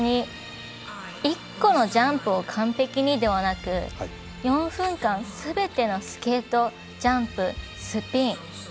１個のジャンプを完璧にではなく４分間すべてのスケート、ジャンプ、スピン